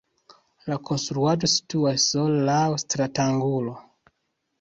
La konstruaĵo situas sola laŭ stratangulo.